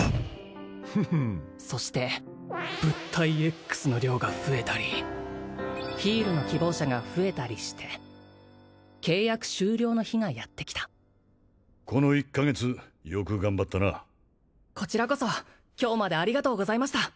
そして物体Ｘの量が増えたりヒールの希望者が増えたりして契約終了の日がやってきたこの１カ月よく頑張ったなこちらこそ今日までありがとうございました